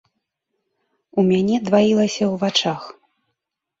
У мяне дваілася ў вачах.